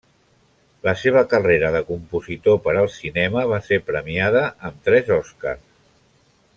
La seva carrera de compositor per al cinema va ser premiada amb tres Oscars.